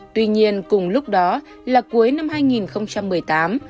tuy nhiên cùng lúc đó là cuối năm hai nghìn một mươi tám